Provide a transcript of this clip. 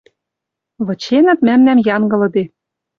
Выченӹт мӓмнӓм янгылыде;